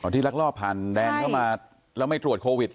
ลักลอบผ่านแดนเข้ามาแล้วไม่ตรวจโควิด